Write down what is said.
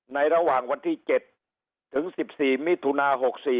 ระหว่างวันที่๗ถึง๑๔มิถุนา๖๔